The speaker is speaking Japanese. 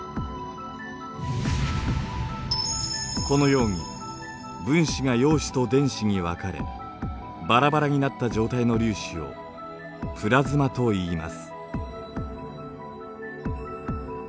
このように分子が陽子と電子に分かれバラバラになった状態の粒子をプラズマといいます。